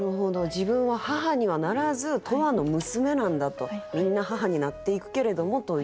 自分は母にはならず「永久の娘」なんだと。みんな母になっていくけれどもという。